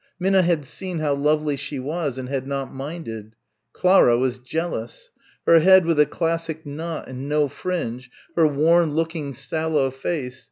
Minna had seen how lovely she was and had not minded. Clara was jealous. Her head with a classic knot and no fringe, her worn looking sallow face....